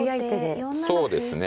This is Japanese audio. そうですね。